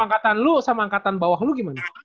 angkatan lu sama angkatan bawah lo gimana